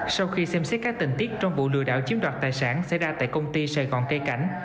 sau khi xem xét các tình tiết trong vụ lừa đảo chiếm đoạt tài sản xảy ra tại công ty sài gòn cây cảnh